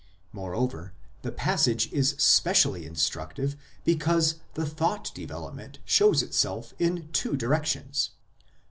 Moreover, the passage is specially instructive because the thought development shows itself in two directions.